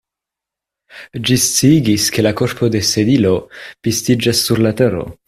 Ĝi sciigis, ke la korpo de Sedilo pistiĝas sur la tero.